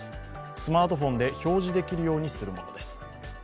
スマートフォンで表示できるようにするものです。